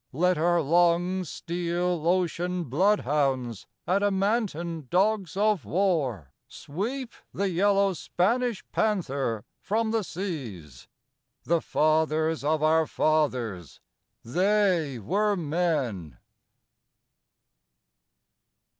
Let our long, steel ocean bloodhounds, adamantine dogs of war, Sweep the yellow Spanish panther from the seas! The fathers of our fathers, they were men!